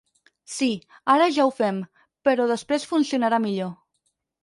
Sí, ara ja ho fem, però després funcionarà millor.